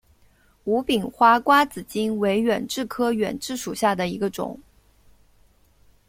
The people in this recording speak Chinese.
无柄花瓜子金为远志科远志属下的一个种。